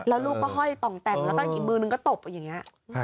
แล้วลูกก็ห้อยต่องแต่งแล้วก็อีกมือนึงก็ตบอย่างนี้